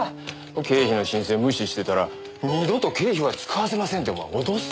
経費の申請無視してたら二度と経費は使わせませんって脅すんだぜ。